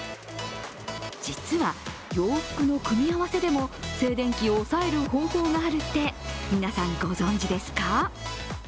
実は、洋服の組み合わせでも静電気を抑える方法があるって皆さん、ご存じですか。